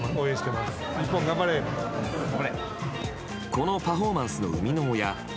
このパフォーマンスの生みの親